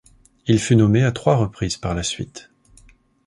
Il fut nommé à trois reprises par la suite.